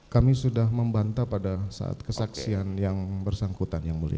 kami sudah membantah pada saat kesaksian yang bersangkutan yang mulia